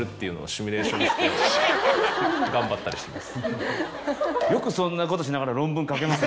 して頑張ったりしてます。